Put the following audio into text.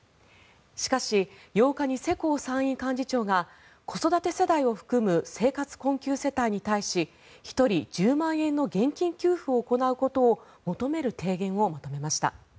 しかし、８日に世耕参院幹事長が子育て世代を含む生活困窮世帯に対し１人１０万円の現金給付を行うことを求める提言をまとめました。